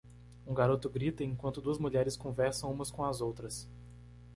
Um garoto grita enquanto duas mulheres conversam umas com as outras.